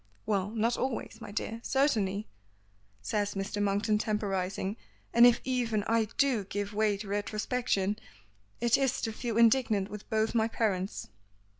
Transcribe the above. "Well, not always, my dear, certainly " says Mr. Monkton temporizing. "And if even I do give way to retrospection, it is to feel indignant with both my parents."